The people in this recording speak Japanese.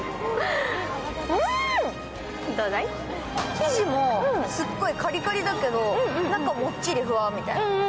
生地もすっごいカリカリだけど、中はもっちりふわっみたいな。